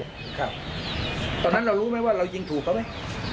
ครับตอนนั้นเรารู้ไหมว่าเรายิงถูกหรือไม่